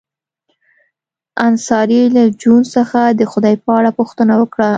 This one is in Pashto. انصاري له جون څخه د خدای په اړه پوښتنه وکړه